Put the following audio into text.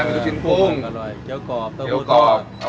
มีลูกชิ้นพรุ่งเกลียวกรอบเกลียวกรอบ